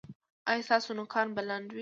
ایا ستاسو نوکان به لنډ وي؟